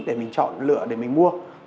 để mình chọn lựa để mình mua